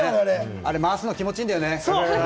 あれ回すの気持ちいいんだよね。